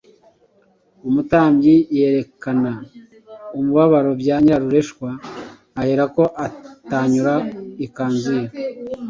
umutambyi yerekana umubabaro bya nyirarureshwa aherako atanyura ikanzu ye.